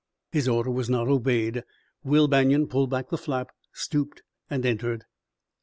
His order was not obeyed. Will Banion pulled back the flap, stooped and entered.